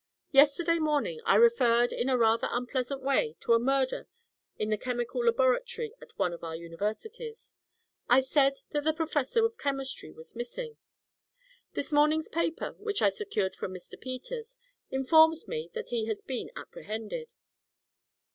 Yesterday morning I referred in a rather unpleasant way to a murder in the chemical laboratory at one of our universities. I said that the professor of chemistry was missing. This morning's paper, which I secured from Mr. Peters, informs me that he has been apprehended."